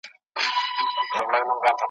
په قدم د سپېلني به د رڼا پر لوري ځمه ,